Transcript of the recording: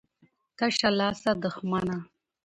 ـ تشه لاسه دښمنه.